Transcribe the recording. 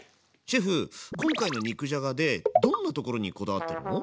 シェフ今回の肉じゃがでどんなところにこだわってるの？